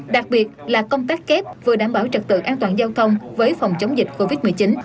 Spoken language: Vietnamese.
đặc biệt là công tác kép vừa đảm bảo trật tự an toàn giao thông với phòng chống dịch covid một mươi chín